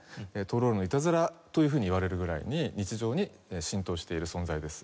「トロールのいたずら」というふうにいわれるぐらいに日常に浸透している存在です。